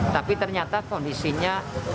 tapi ternyata kondisinya